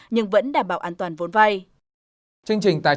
nhưng vẫn đảm bảo an toàn vốn vai